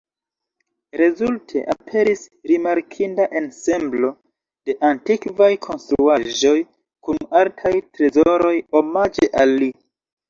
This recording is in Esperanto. Rezulte, aperis rimarkinda ensemblo de antikvaj konstruaĵoj kun artaj trezoroj omaĝe al li.